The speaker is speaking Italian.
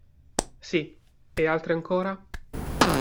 Sì; e altri ancora?